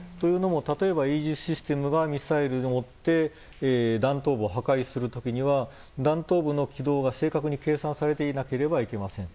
例えば、イージスシステムがミサイルを追って弾頭部を破壊する時には弾頭部の軌道が正確に計算されていなければいけません。